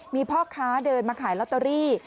มีพ่อค้าเดินมาขายลอตเตอรี่